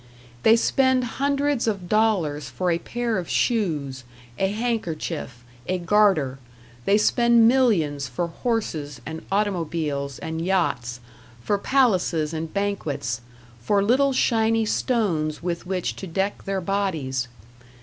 They spend hundreds of dollars for a pair of shoes, a handkerchief, a garter; they spend millions for horses and automobiles and yachts, for palaces and banquets, for little shiny stones with which to deck their bodies.